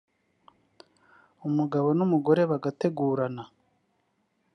umugabo n’umugore bagategurana